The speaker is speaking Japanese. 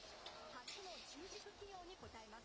初の中軸起用に応えます。